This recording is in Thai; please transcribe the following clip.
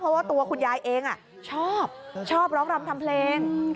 เพราะว่าตัวคุณยายเองชอบชอบร้องรำทำเพลง